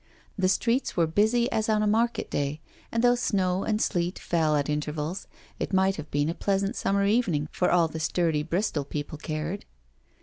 The streets were busy as on a market day, and though snow and sleet fell at intervals it might have been a pleasant sumider evening for all the sturdy Bristol people cared.